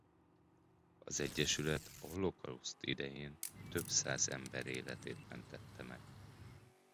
Az egyesület a holokauszt idején több száz ember életét mentette meg.